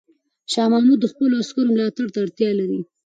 شاه محمود د خپلو عسکرو ملاتړ ته اړتیا لري.